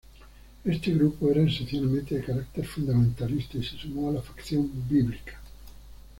Este grupo era esencialmente de carácter fundamentalista, y se sumó a la facción "bíblica".